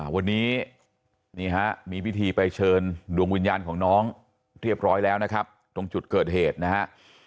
วันนี้นี่ฮะมีพิธีไปเชิญดวงวิญญาณของน้องเรียบร้อยแล้วนะครับตรงจุดเกิดเหตุนะฮะ